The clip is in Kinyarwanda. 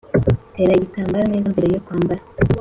tera igitambaro neza mbere yo kwambara.